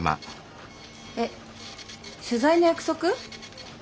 え取材の約束？